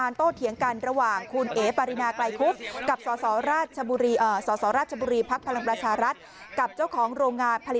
เงียบหายไปไม่นานสิ